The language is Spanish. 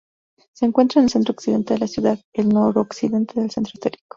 Se encuentra en el centro-occidente de la ciudad, al noroccidente del centro histórico.